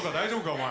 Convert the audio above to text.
お前。